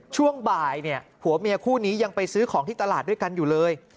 ช่วงบ่ายเนี่ยผัวเมียคู่นี้ยังไปซื้อของที่ตลาดด้วยกันอยู่เลย